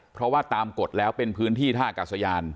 เพราะว่าตามกฎแล้วเป็นพื้นที่ท่ากัศยาน